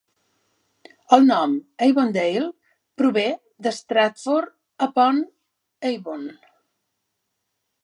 El nom Avondale prové de Stratford-upon-Avon.